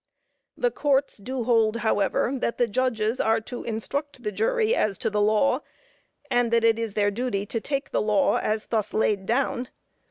The courts do hold, however, that the judges are to instruct the jury as to the law, and that it is their duty to take the law as thus laid down.